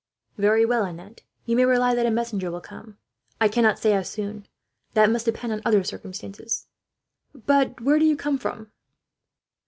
"Very well, Annette. You may rely that a messenger will come. I cannot say how soon; that must depend on other circumstances. Where do you come from?"